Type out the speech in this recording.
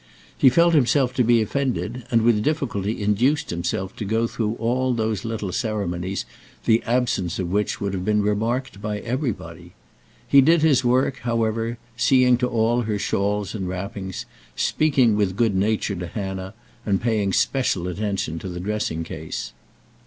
He felt himself to be offended, and with difficulty induced himself to go through all those little ceremonies the absence of which would have been remarked by everybody. He did his work, however, seeing to all her shawls and wrappings, speaking with good nature to Hannah, and paying special attention to the dressing case.